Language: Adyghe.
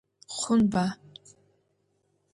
Хъунба?